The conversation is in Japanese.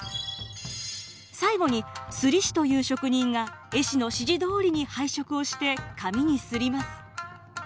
最後に摺師という職人が絵師の指示どおりに配色をして紙に摺ります。